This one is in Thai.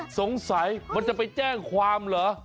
สงสัยมันจะไปแจ้งความเหรอ